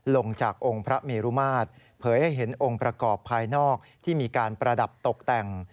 ลงจากองค์พระเมรุมาตรเผยให้เห็นองค์ประกอบภายนอกที่มีการประดับตกแต่ง